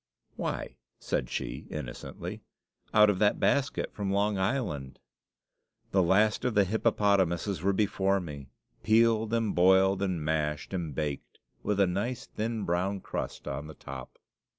"Why," said she, innocently, "out of that basket from Long Island!" The last of the hippopotamuses were before me, peeled, and boiled, and mashed, and baked, with a nice thin brown crust on the top.